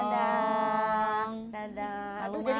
aduh jadi kangen anak aku